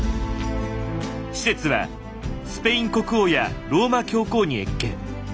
使節はスペイン国王やローマ教皇に謁見。